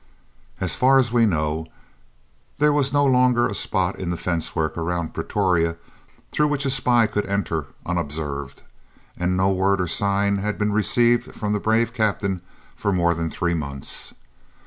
As far as was known, there was no longer a spot in the fencework around Pretoria through which a spy could enter unobserved, and no word or sign had been received from the brave Captain for more than three months.